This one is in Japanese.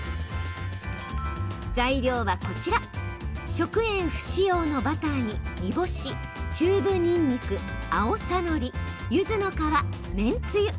食塩不使用のバターに、煮干しチューブにんにく、あおさのりゆずの皮、めんつゆ。